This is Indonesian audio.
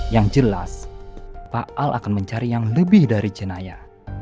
yang jelas pak al akan mencari yang lebih dari jenayah